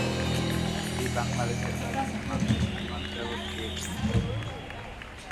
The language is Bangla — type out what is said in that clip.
এটি বাংলাদেশের পশ্চিমাংশের সীমান্তবর্তী একটি পৌরসভা।